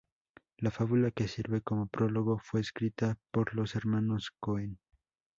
La fábula que sirve como prólogo fue escrita por los hermanos Coen.